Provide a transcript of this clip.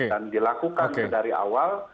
dan dilakukan dari awal